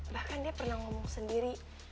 bahkan dia pernah ngomong sendiri